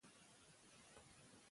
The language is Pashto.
که ستاینه وي نو مینه نه سړیږي.